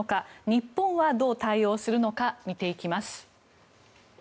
日本はどう対応するのか見ていきます。